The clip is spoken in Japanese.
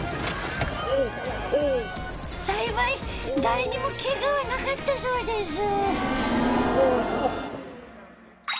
幸い誰にもけがはなかったそうです。